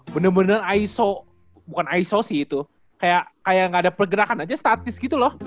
bener bener iso bukan iso sih itu kayak gak ada pergerakan aja statis gitu loh